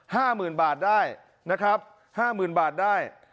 ห้าหมื่นบาทได้นะครับห้าหมื่นบาทได้